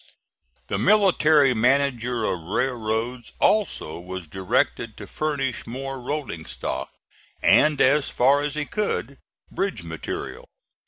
The military manager of railroads also was directed to furnish more rolling stock and, as far as he could, bridge material.